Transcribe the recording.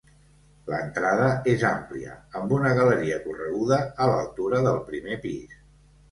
L'entrada és àmplia, amb una galeria correguda a l'altura del primer pis.